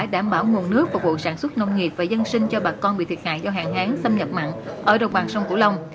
đảm bảo nguồn nước phục vụ sản xuất nông nghiệp và dân sinh cho bà con bị thiệt hại do hạn hán xâm nhập mặn ở đồng bằng sông cửu long